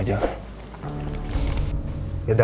ya udah kamu angkat ya